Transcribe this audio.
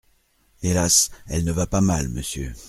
Hélas ! elle ne va pas mal, monsieur.